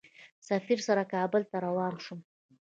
سفیر سره کابل ته روان شوم.